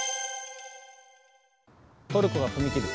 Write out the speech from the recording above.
トルコが踏み切る